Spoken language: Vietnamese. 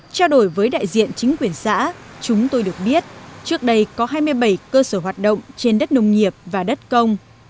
trao đổi với đại diện chính quyền xã chúng tôi được biết trước đây có hai mươi bảy cơ sở hoạt động trên đất nông nghiệp và đất công